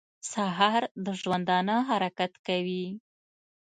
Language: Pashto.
سهار د ژوندانه حرکت کوي.